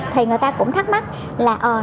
thì người ta cũng thắc mắc là